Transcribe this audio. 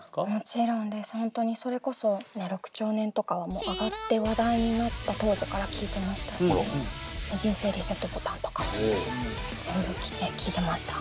本当にそれこそ「六兆年」とかは上がって話題になった当時から聴いてましたし「人生リセットボタン」とかも全部聴いてました。